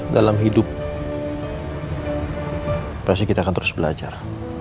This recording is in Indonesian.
dalam hidup pasti kita akan terus belajar